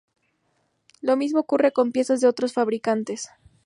Lo mismo ocurre con piezas de otros fabricantes.